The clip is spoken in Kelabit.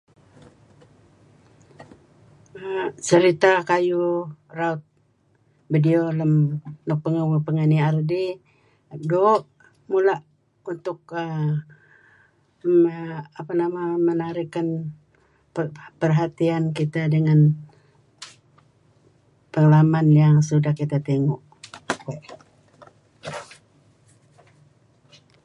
Seriteh kayu' raut bideo lem nuk pangeh nuk pangeh uih nier dih doo' mula' untuk uhm apa nama? Ngen narih ken perhatian kita dengan pengalaman yang sudah kita tengok.